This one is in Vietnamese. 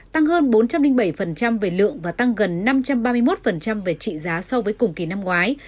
tăng hơn bốn trăm linh bảy về lượng và tăng gần năm trăm ba mươi một về trị giá so với cùng kỳ năm ngoái